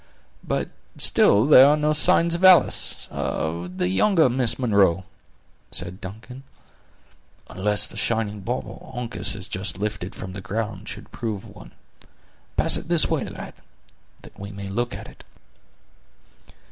"But still there are no signs of Alice, of the younger Miss Munro," said Duncan. "Unless the shining bauble Uncas has just lifted from the ground should prove one. Pass it this way, lad, that we may look at it."